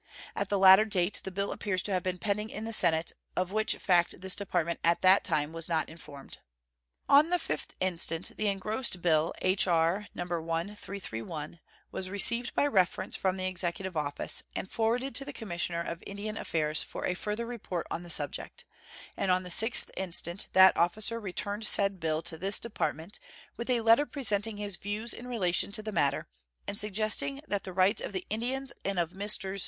At the latter date the bill appears to have been pending in the Senate, of which fact this Department at that time was not informed. On the 5th instant the engrossed bill (H.R. No. 1331) was received by reference from the Executive Office, and forwarded to the Commissioner of Indian Affairs for a further report on the subject, and on the 6th instant that officer returned said bill to this Department with a letter presenting his views in relation to the matter and suggesting that the rights of the Indians and of Messrs.